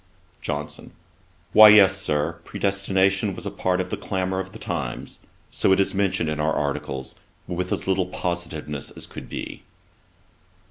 JOHNSON. 'Why yes, Sir, predestination was a part of the clamour of the times, so it is mentioned in our articles, but with as little positiveness as could be.'